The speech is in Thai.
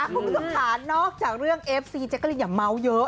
คุณผู้ชมขานอกจากเรื่องเอฟซีจะก็เลยอย่าเมาเยอะ